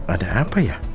ada apa ya